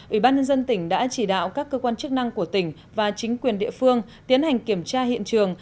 ubnd tỉnh đã chỉ đạo các cơ quan chức năng của tỉnh và chính quyền địa phương tiến hành kiểm tra hiện trường